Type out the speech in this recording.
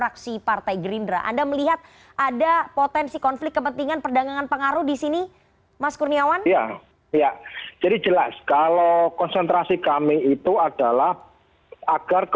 kalau kita punya peta biru gitu ya